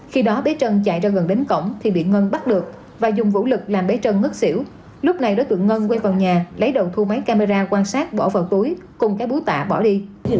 khi đó bé trân chạy ra gần đến cổng thì bị ngân bắt được và dùng vũ lực làm bé trần ngất xỉu lúc này đối tượng ngân quay vào nhà lấy đầu thu máy camera quan sát bỏ vào túi cùng các bú tạ bỏ đi